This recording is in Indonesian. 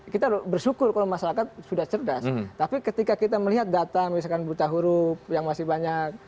kita bersyukur kalau masyarakat sudah cerdas tapi ketika kita melihat data misalkan buta huruf yang masih banyak